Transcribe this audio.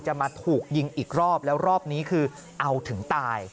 มาถูกยิงอีกรอบแล้วรอบนี้คือเอาถึงตาย